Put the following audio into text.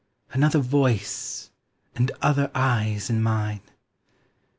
Another voice and other eyes in mine!